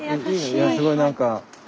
いやすごい何か。